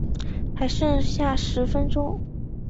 还剩下十分钟